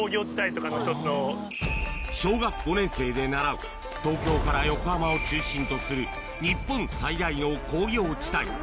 小学５年生で習う東京から横浜を中心とする日本最大の工業地帯